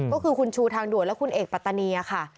ก็คือคุณชูทางด่วนและคุณเอกปัตตานีค่ะ